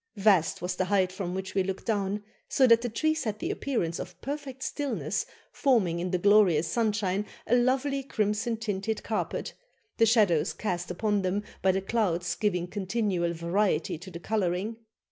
Vast was the height from which we looked down, so that the trees had the appearance of perfect stillness, forming in the glorious sunshine a lovely crimson tinted carpet, the shadows cast upon them by the clouds giving continual variety to the colouring.